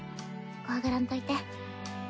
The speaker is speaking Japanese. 怖がらんといて。